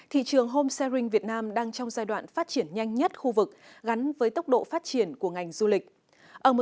thị trường home sharing việt nam đang trong giai đoạn phát triển nhanh nhất khu vực gắn với tốc độ phát triển của ngành du lịch